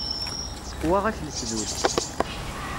Seqwaɣ-ak lesdud.